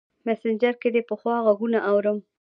مسینجر کې دې پخوا غـــــــږونه اورم